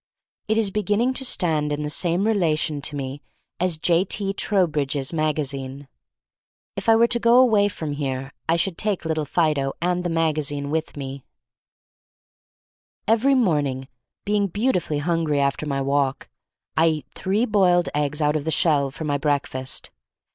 It is begin ning to stand in the same relation to me as J. T. Trowbridge's magazine. If I were to go away from here I should take Little Fido and the magazine with me. r 248 THfi STORY OF MARY MAC LANE Every morning, being beautifully hungry after my walk, I eat three boiled eggs out of the shell for my breakfast.